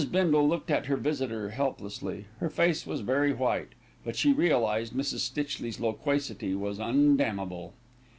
Bindle looked at her visitor helplessly. Her face was very white; but she realised Mrs. Stitchley's loquacity was undammable.